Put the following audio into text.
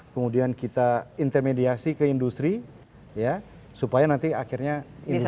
kemudian kita intermediasi ke industri ya supaya nanti akhirnya industri